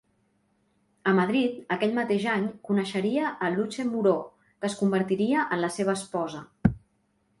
A Madrid, aquell mateix any, coneixeria a Luce Moreau, que es convertiria en la seva esposa.